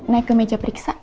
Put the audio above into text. naik ke meja periksa